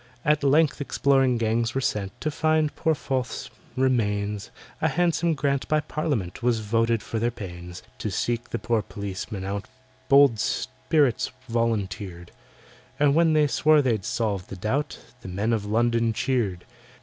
At length exploring gangs were sent To find poor FORTH'S remains— A handsome grant by Parliament Was voted for their pains. To seek the poor policeman out Bold spirits volunteered, And when they swore they'd solve the doubt, The Men of London cheered.